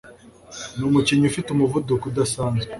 ni umukinnyi ufite umuvuduko udasanzwe.